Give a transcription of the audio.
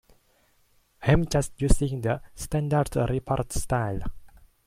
I'm just using the standard report style.